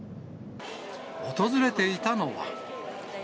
訪れていたのは。